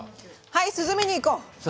はい涼みに行こう！